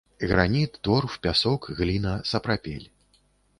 Граніт, торф, пясок, гліна, сапрапель.